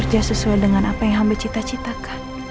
gue ganggu gak